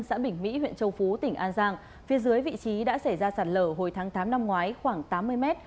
tỉnh mỹ huyện châu phú tỉnh an giang phía dưới vị trí đã xảy ra sạt lở hồi tháng tám năm ngoái khoảng tám mươi m